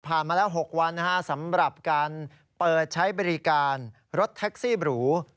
มาแล้ว๖วันสำหรับการเปิดใช้บริการรถแท็กซี่บรู